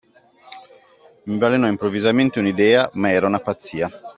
Mi balenò improvvisamente un'idea, ma era una pazzia.